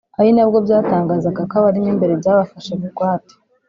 ari nabwo byatangazaga ko abarimo imbere byabafashe bugwate